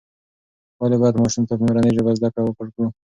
ولې باید ماشوم ته په مورنۍ ژبه زده کړه ورکړو؟